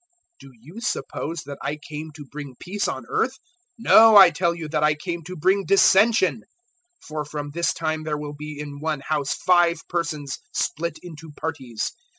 012:051 Do you suppose that I came to give peace on earth? No, I tell you that I came to bring dissension. 012:052 For from this time there will be in one house five persons split into parties.